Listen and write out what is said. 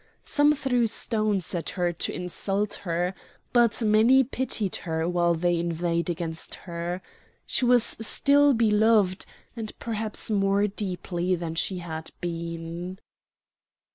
Some threw stones at her to insult her. But many pitied her while they inveighed against her; she was still beloved, and perhaps more deeply than she had been.